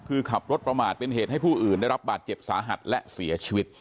คือขับรถประมาทเป็นเหตุให้ผู้อื่นได้รับบาดเจ็บสาหัสและเสียชีวิต